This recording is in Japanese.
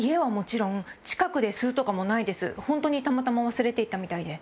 本当にたまたま忘れていったみたいで。